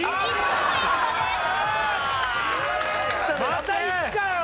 また１かよ！